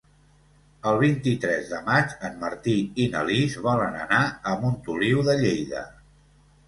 El vint-i-tres de maig en Martí i na Lis volen anar a Montoliu de Lleida.